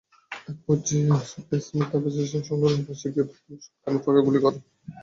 একপর্যায়ে এসমাইল তাঁর বাসস্ট্যান্ড-সংলগ্ন বাসায় গিয়ে প্রথমে শটগানের ফাঁকা গুলি করেন।